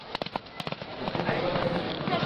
নতুন আইডিয়া মানেই নতুন কিছু!